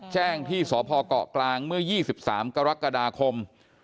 แจ้งที่สพเกาะกลางเมื่อ๒๓กรกฎาคม